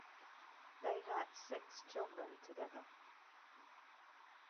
They had six children together.